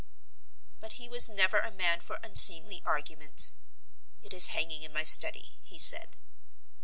But he was never a man for unseemly argument. "It is hanging in my study," he said.